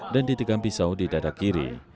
dan ditikam pisau di dada kiri